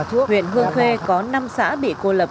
huyện hương khê có năm xã bị cô lập